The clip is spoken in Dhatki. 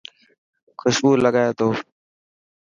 خوشبو لگائي تو.